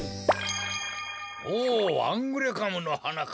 おおアングレカムのはなか。